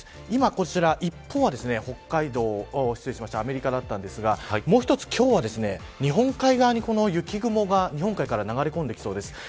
今、こちら一方はアメリカだったんですがもう一つ今日は、日本海側に雪雲が日本海から流れ込んできそうです。